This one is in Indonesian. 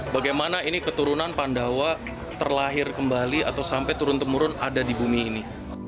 bagaimana ini keturunan pandawa terlahir kembali atau sampai turun temurun ada di bumi ini